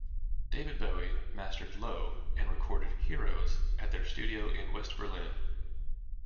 David Bowie mastered "Low" and recorded "Heroes" at their studio in West Berlin.